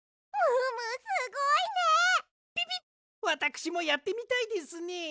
わたくしもやってみたいですね。